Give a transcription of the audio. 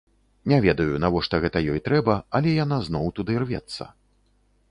Не ведаю, навошта гэта ёй трэба, але яна зноў туды рвецца.